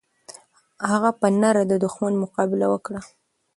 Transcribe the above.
هغه په نره د دښمن مقابله وکړه.